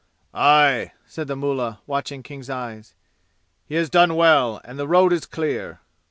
"Aye!" said the mullah, watching King's eyes. "He has done well, and the road is clear!"